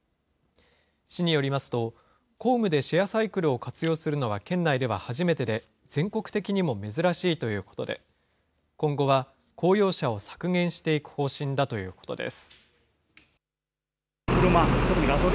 市によりますと、公務でシェアサイクルを活用するのは県内では初めてで、全国的にも珍しいということで、今後は公用車を削減していく方針だということです。